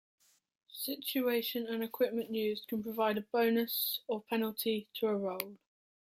Situation and equipment used can provide a bonus or penalty to a roll.